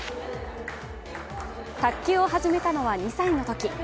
卓球を始めたのは２歳のとき。